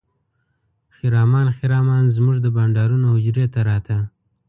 خرامان خرامان زموږ د بانډارونو حجرې ته راته.